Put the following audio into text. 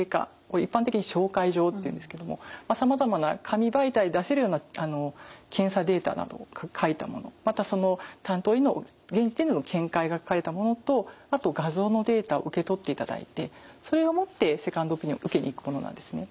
一般的に紹介状っていうんですけどもさまざまな紙媒体で出せるような検査データなどを書いたものまたその担当医の現時点での見解が書かれたものとあと画像のデータを受け取っていただいてそれを持ってセカンドオピニオン受けに行くものなんですね。